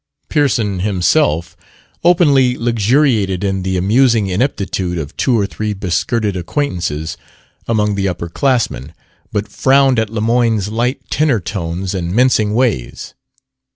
Pearson himself openly luxuriated in the amusing ineptitude of two or three beskirted acquaintances among the upper classmen, but frowned at Lemoyne's light tenor tones and mincing ways.